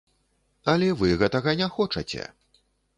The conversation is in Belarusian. Але вы гэтага не хочаце.